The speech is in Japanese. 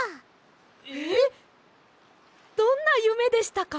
どんなゆめでしたか？